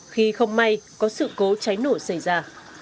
khi không may có sự cố cháy nổ xảy ra